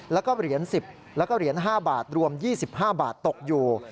แล้วก็เหรียญ๑๐แล้วก็เหรียญ๕บาทรวม๒๕บาทตกอยู่